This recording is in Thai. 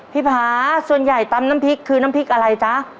ผาส่วนใหญ่ตำน้ำพริกคือน้ำพริกอะไรจ๊ะ